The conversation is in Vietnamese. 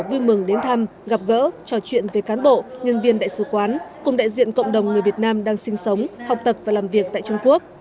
vui mừng đến thăm gặp gỡ trò chuyện với cán bộ nhân viên đại sứ quán cùng đại diện cộng đồng người việt nam đang sinh sống học tập và làm việc tại trung quốc